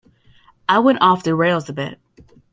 I went off the rails a bit.